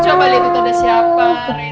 coba lihat itu ada siapa